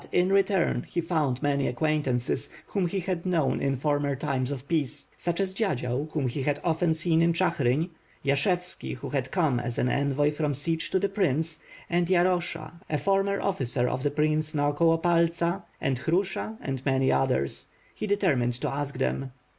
5^9 in return he found many acquaintances, whom he had known in former times of peace; such as Dziadzial, whom he had often seen in Chigrin; Yashevski, who had come as an envoy from Sich to the Prince; and Yarosha, a former officer of the prince Naokolo Paltsa, and Hrusha, and many others. He determined to ask them.